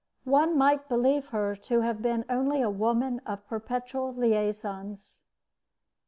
One might believe her to have been only a woman of perpetual liaisons.